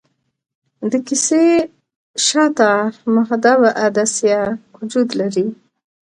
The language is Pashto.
د کسي شاته محدبه عدسیه وجود لري.